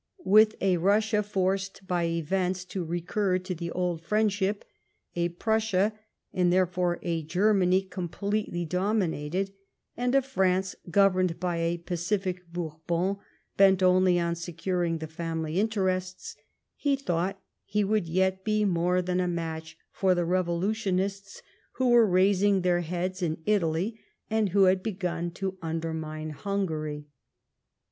With a Russia forced by events to recur to the old friendship ; a Prussia, and there fore a Germany, completely dominated ; and a France governed by a pacific Bourbon bent only on securing the family interests ; he thought he would yet be more than a match for the revolutionists who were raising their heads in Italy, and who had begun to underiuiMo Hungary.